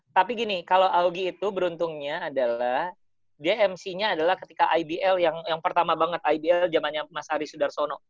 tapi gini kalau augie itu beruntungnya adalah dmc nya adalah ketika ibl yang pertama banget ibl zamannya mas ari sudarsono